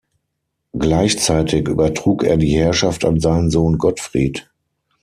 Gleichzeitig übertrug er die Herrschaft an seinen Sohn Gottfried.